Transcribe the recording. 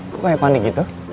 kok kayak panik gitu